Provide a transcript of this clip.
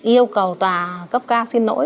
yêu cầu tòa cấp cao xin lỗi